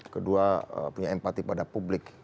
kedua punya empati pada publik